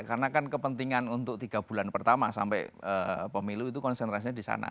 karena kan kepentingan untuk tiga bulan pertama sampai pemilu itu konsentrasinya di sana